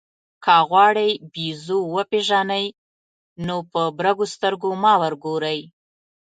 که غواړئ بېزو ووژنئ نو په برګو سترګو مه ورګورئ.